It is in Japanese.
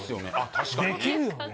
確かにねできるよね